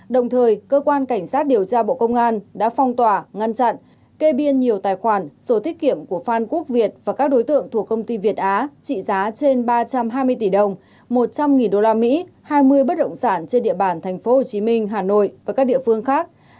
đồng thời cơ quan cảnh sát điều tra bộ công an đã phong tỏa ngăn chặn kê biên nhiều tài khoản sổ tiết kiệm của phan quốc việt và các đối tượng thuộc công ty việt á trị giá trên ba trăm hai mươi tỷ đồng một trăm linh usd hai mươi bất động sản trên địa bàn tp hcm hà nội và các địa phương khác